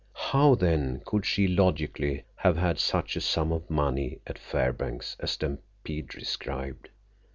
How, then, could she logically have had such a sum of money at Fairbanks as Stampede described?